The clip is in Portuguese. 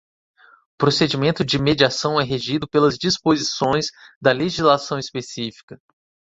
O procedimento de mediação é regido pelas disposições da legislação específica.